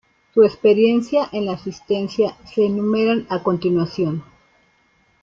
Su experiencia en la asistencia se enumeran a continuación.